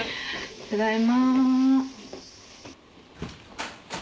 ただいま。